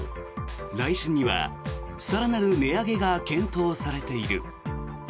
来春には更なる値上げが検討されている。